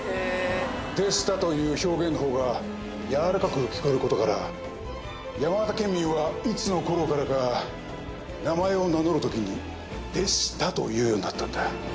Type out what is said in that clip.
「でした」という表現のほうがやわらかく聞こえることから山形県民はいつの頃からか名前を名乗る時に「でした」と言うようになったんだ。